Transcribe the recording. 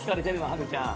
ハグちゃん。